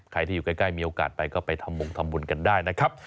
ใครที่อยู่ใกล้มีโอกาสไปก็ไปทำมงทำบุญกันได้นะครับ